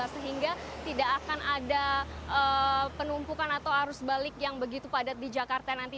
sehingga tidak akan ada penumpukan atau arus balik yang begitu padat di jakarta nanti